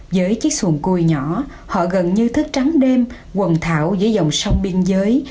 với chiếc xuồng cùi nhỏ họ gần như thức trắng đêm quần thảo dưới dòng sông biên giới